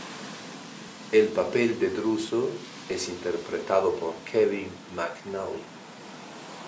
El papel de Druso es interpretado por Kevin McNally.